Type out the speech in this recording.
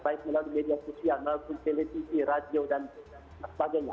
baik melalui media sosial maupun televisi radio dan sebagainya